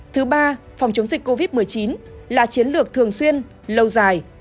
thứ ba phòng chống dịch covid một mươi chín là chiến lược thường xuyên lâu dài